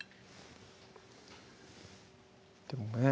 でもね